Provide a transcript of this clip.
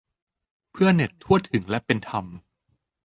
เพื่อเน็ตทั่วถึงและเป็นธรรม